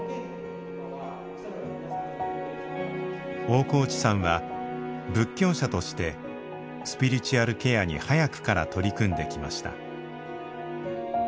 大河内さんは仏教者としてスピリチュアルケアに早くから取り組んできました。